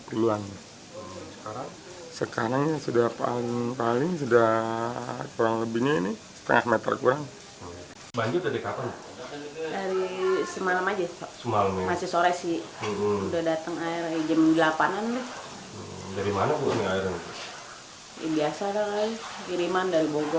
kemungkinan nggak gede kalau yang kemarin kan gedean satu ratus sembilan puluh depok